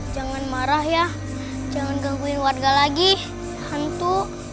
jangan marah ya jangan gangguin warga lagi hantu